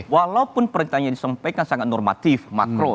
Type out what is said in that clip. walaupun pertanyaan yang disampaikan sangat normatif makro